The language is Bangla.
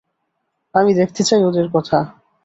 আমি দেখতে চাই ওদের কথা।